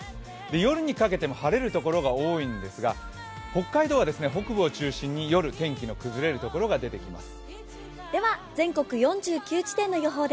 夜にかけても晴れる所が多いんですが北海道は北部を中心に夜、天気の崩れるところが出てきます。